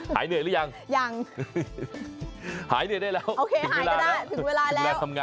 หายเหนื่อยหรือยัง